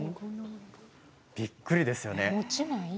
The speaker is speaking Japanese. びっくりですよね。